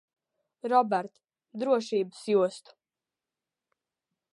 Robert, drošības jostu.